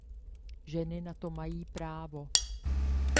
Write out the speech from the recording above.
Ženy na to mají právo.